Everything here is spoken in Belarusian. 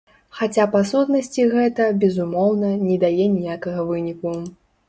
Хаця па сутнасці гэта, безумоўна, не дае ніякага выніку.